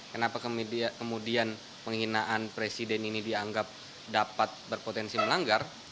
kenapa kemudian penghinaan presiden ini dianggap dapat berpotensi melanggar